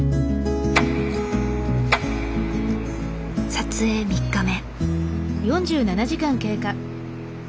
撮影３日目。